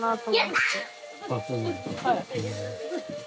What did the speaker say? はい。